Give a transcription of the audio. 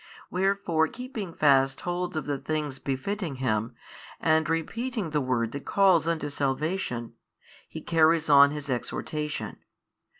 Wherefore keeping fast hold of the things befitting Him, and repeating the word that calls unto salvation, He carries on His exhortation.